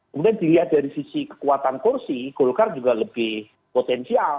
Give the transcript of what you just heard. kemudian dilihat dari sisi kekuatan kursi golkar juga lebih potensial